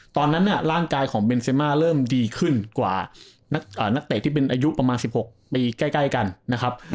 ตอนนั้นร่างกายของเบนเซมาเริ่มดีขึ้นกว่านักเตะที่เป็นอายุประมาณ๑๖ปีใกล้กันนะครับ